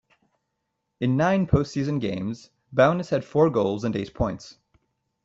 In nine post-season games, Bowness had four goals and eight points.